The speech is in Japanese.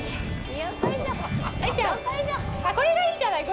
これがいいじゃない。